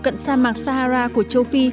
cận sa mạc sahara của châu phi